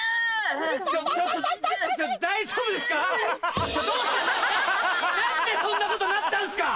何でそんなことになったんすか！